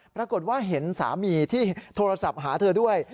ปรากฏว่าเห็นสามีที่โทรศัพท์หาเธอด้วย